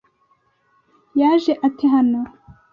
Yaje ate hano?